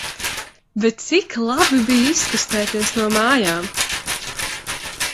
Bet cik labi bija izkustēties no mājām!